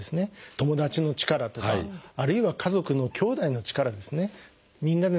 友達の力とかあるいは家族のきょうだいの力ですね。